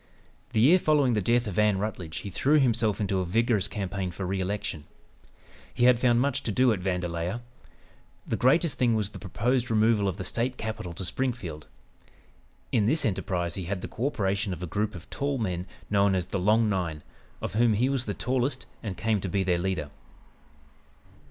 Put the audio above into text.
The year following the death of Ann Rutledge he threw himself into a vigorous campaign for re election. He had found much to do at Vandalia. The greatest thing was the proposed removal of the State capital to Springfield. In this enterprise he had the co operation of a group of tall men, known as "the Long Nine," of whom he was the tallest and came to be the leader.